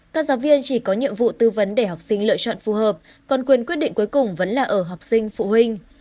các giáo viên chỉ có nhiệm vụ tư vấn để học sinh lựa chọn phù hợp còn quyền quyết định cuối cùng vẫn là ở học sinh phụ huynh